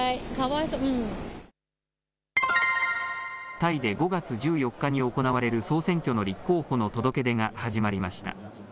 タイで５月１４日に行われる総選挙の立候補の届け出が始まりました。